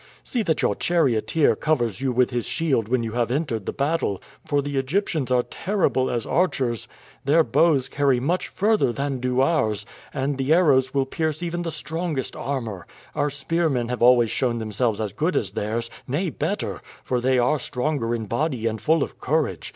See that your charioteer covers you with his shield when you have entered the battle, for the Egyptians are terrible as archers. Their bows carry much further than do ours, and the arrows will pierce even the strongest armor. Our spearmen have always shown themselves as good as theirs nay, better, for they are stronger in body and full of courage.